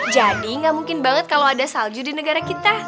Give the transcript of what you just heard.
jadi gak mungkin banget kalau ada salju di negara kita